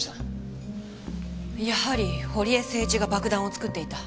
やはり堀江誠一が爆弾を作っていた。